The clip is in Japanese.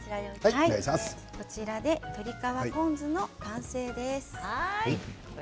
これで鶏皮ポン酢の完成です。